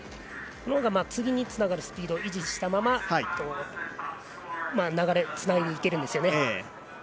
その方が次につながるスピードを維持して流れをつないでいけるんですよね。